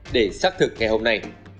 để xác thực ngày hôm nay